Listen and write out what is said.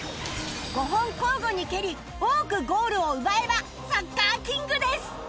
５本交互に蹴り多くゴールを奪えばサッカーキングです